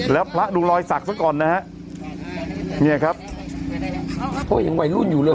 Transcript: แล้วพระดูรอยสักซะก่อนนะฮะเนี่ยครับโอ้ยังวัยรุ่นอยู่เลย